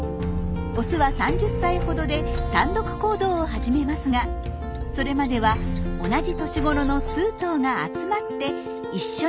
オスは３０歳ほどで単独行動を始めますがそれまでは同じ年頃の数頭が集まって一緒に暮らします。